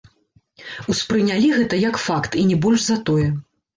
Успрынялі гэта як факт і не больш за тое.